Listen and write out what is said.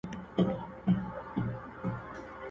دښتونه خپل، کیږدۍ به خپلي او ټغر به خپل وي.!.!